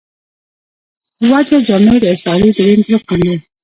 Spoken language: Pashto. وجه جامع داستعارې درېیم رکن دﺉ.